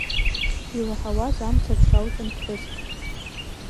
Илаҳауаз амца ацралҵон ԥҳәыск.